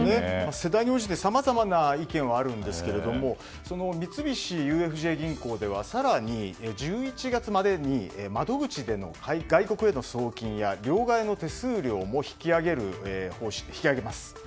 世代に応じてさまざまな意見はあるんですけれども三菱ＵＦＪ銀行では更に、１１月までに窓口での外国への送金や両替の手数料も引き上げます。